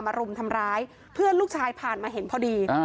รุมทำร้ายเพื่อนลูกชายผ่านมาเห็นพอดี